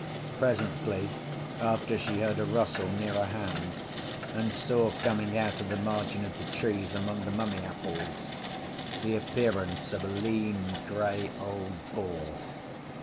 Presently after she heard a rustle nearer hand, and saw, coming out of the margin of the trees, among the mummy apples, the appearance of a lean grey old boar.